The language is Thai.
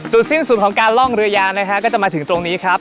สิ้นสุดของการล่องเรือยางนะฮะก็จะมาถึงตรงนี้ครับ